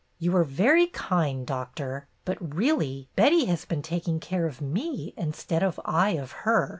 ''You are very kind, Doctor. But really, Betty has been taking care of me instead of I of her.